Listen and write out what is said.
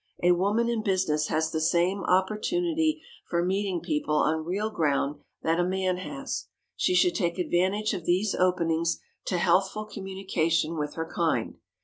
A woman in business has the same opportunity for meeting people on real ground that a man has. She should take advantage of these openings to healthful communication with her kind.